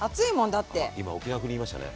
あっ今沖縄風に言いましたね？